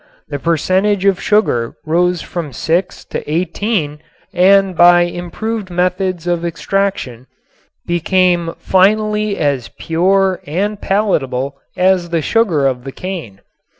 The percentage of sugar rose from six to eighteen and by improved methods of extraction became finally as pure and palatable as the sugar of the cane.